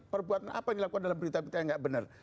perbuatan apa yang dilakukan dalam berita berita yang tidak benar